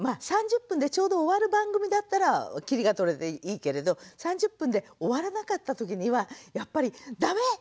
３０分でちょうど終わる番組だったら切りがとれていいけれど３０分で終わらなかった時にはやっぱり「ダメ！